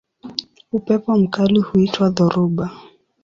Upepo mkali huitwa dhoruba.